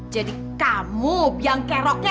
jadi kamu yang keroknya